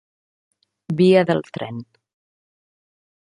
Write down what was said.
Via del tren.